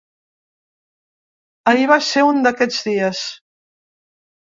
Ahir va ser un d’aquests dies.